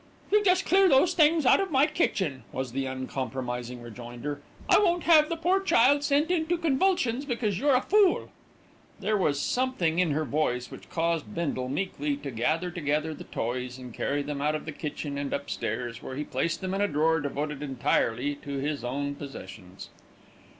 "You just clear those things out of my kitchen," was the uncompromising rejoinder. "I won't have the poor child sent into convulsions because you're a fool." There was something in her voice which caused Bindle meekly to gather together the toys and carry them out of the kitchen and upstairs, where he placed them in a drawer devoted entirely to his own possessions.